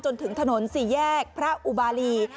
จนถึงถนนสี่แยกพระอุบาลี